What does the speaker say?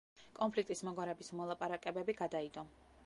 კონფლიქტის მოგვარების მოლაპარაკებები გადაიდო.